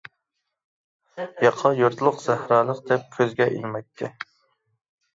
ياقا يۇرتلۇق، سەھرالىق دەپ كۆزگە ئىلمايتتى.